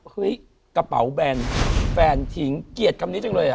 เฮ้ยกระเป๋าแบลนแฟนถึงเกียรติคำนี้จังเลย